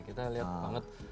kita lihat banget